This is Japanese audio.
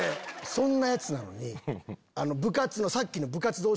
そんなヤツなのに。